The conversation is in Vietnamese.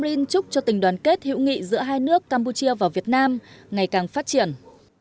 chủ tịch quốc hội campuchia chúc cho tình đoàn kết hữu nghị giữa hai nước campuchia và việt nam ngày càng phát triển